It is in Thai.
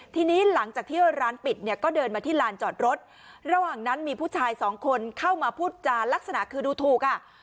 ทีนี้หลังจากที่ร้านปิดเนี่ยก็เดินมาที่ลานจอดรถระหว่างนั้นมีผู้ชายสองคนเข้ามาพูดจานลักษณะคือดูถูกอ่ะ